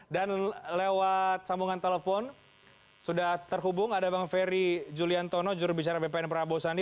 dan lewat sambungan telepon sudah terhubung ada bang ferry julian tono jurubicara bpn prabowo sandi